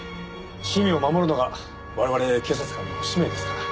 市民を守るのが我々警察官の使命ですから。